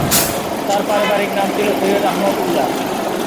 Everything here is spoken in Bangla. তার পারিবারিক নাম ছিল সৈয়দ আহমদ উল্লাহ।